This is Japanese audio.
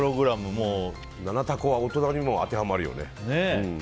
「ななたこ」は大人にも当てはまるよね。